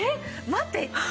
待って。